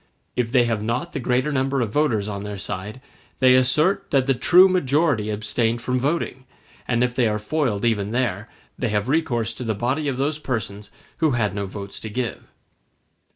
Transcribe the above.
If they have not the greater number of voters on their side, they assert that the true majority abstained from voting; and if they are foiled even there, they have recourse to the body of those persons who had no votes to give.